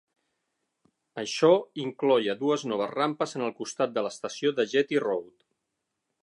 Això incloïa dues noves rampes en el costat de l'estació de Jetty Road.